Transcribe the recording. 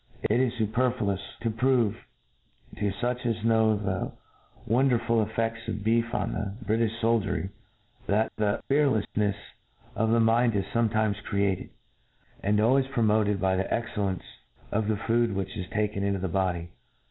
It is fuperfluous to prove, to fuch as know the wonderful eflfeds of beef on the Britifh fpldiery, that the fearleffnefs of the mind is fometimes created, and always promoted, by the excellence of the food which is taken into the body.